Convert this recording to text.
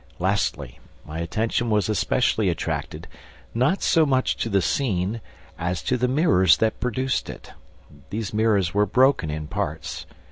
Lastly, my attention was especially attracted, not so much to the scene, as to the mirrors that produced it. These mirrors were broken in parts.